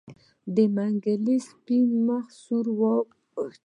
د منګلي سپين مخ سور واوښت.